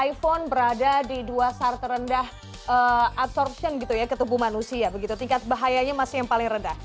iphone berada di dua sar terendah absorption gitu ya ke tubuh manusia begitu tingkat bahayanya masih yang paling rendah